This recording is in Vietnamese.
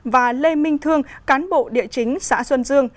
và lê minh thương cán bộ địa chính xã xuân dương